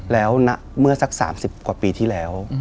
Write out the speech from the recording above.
แล้วเมื่อสัก๓๐กว่าปีที่แล้ว